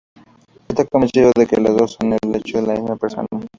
Está convencido de que las dos son, de hecho, la misma persona.